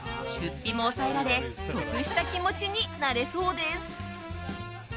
出費も抑えられ得した気持ちになれそうです。